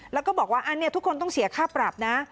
แล้วก็บอกว่าอันนี้ทุกคนต้องเสียค่าปรับนะ